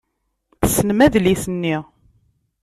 Tessnem adlis-nni.